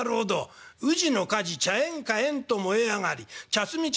「『宇治の火事茶園火炎と燃え上がり茶摘み茶